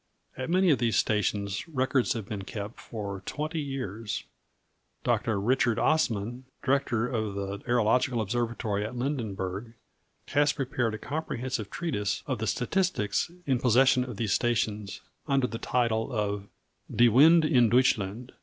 At many of these stations records have been kept for twenty years. Dr. Richard Assman, director of the aerological observatory at Lindenburg, has prepared a comprehensive treatise of the statistics in possession of these stations, under the title of Die Winde in Deutschland.